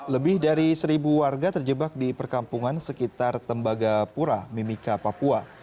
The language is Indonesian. lebih dari seribu warga terjebak di perkampungan sekitar tembagapura mimika papua